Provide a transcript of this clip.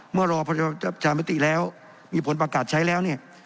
เมื่อรอประชามติแล้วมีผลประกาศใช้แล้วเนี่ย